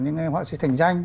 những họa sĩ thành danh